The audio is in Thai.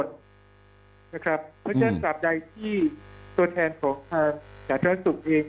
นะครับเพราะฉะนั้นสำหรับใดที่ตัวแทนของศาสตราศุกร์เอง